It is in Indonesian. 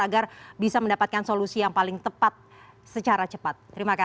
agar bisa mendapatkan solusi yang paling tepat secara cepat